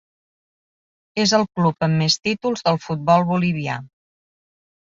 És el club amb més títols del futbol bolivià.